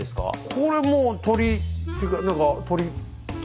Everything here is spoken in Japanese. これもう鳥っていうか何か鳥鳥。